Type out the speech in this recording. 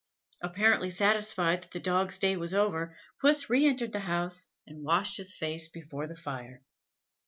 Apparently satisfied that the dog's day was over, Puss re entered the house and washed his face before the fire.